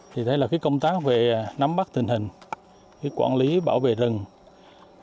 thì thấy là công tác về nắm bắt tình hình quản lý bảo vệ rừng